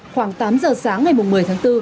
khoảng tám giờ sáng ngày một mươi tháng bốn